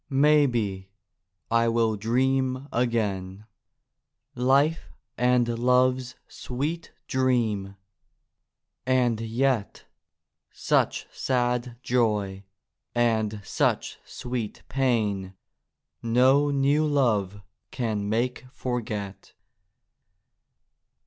Maybe, I will dream again: Life and love's sweet dream—and yet, Such sad joy and such sweet pain No new love can make forget.